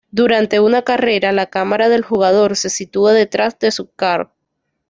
Durante una carrera, la cámara del jugador se sitúa detrás de su kart.